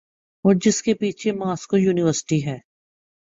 اورجس کے پیچھے Moscow university ہے۔